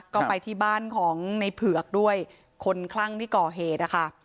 ก็ไปที่บ้านของในเผือกด้วยคนคลั่งที่ก่อเหตุนะคะ